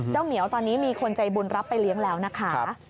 เหมียวตอนนี้มีคนใจบุญรับไปเลี้ยงแล้วนะคะ